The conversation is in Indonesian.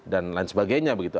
dan lain sebagainya begitu